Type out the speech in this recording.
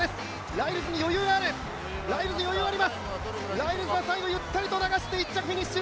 ライルズが最後ゆったりと流して１着フィニッシュ！